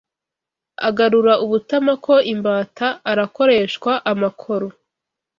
Agarura u Butama ko imbata Arakoreshwa amakoro